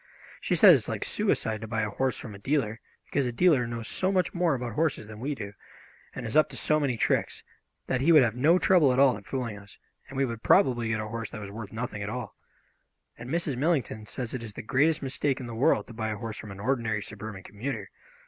She says it is like suicide to buy a horse from a dealer, because a dealer knows so much more about horses than we do, and is up to so many tricks, that he would have no trouble at all in fooling us, and we would probably get a horse that was worth nothing at all. And Mrs. Millington says it is the greatest mistake in the world to buy a horse from an ordinary suburban commuter.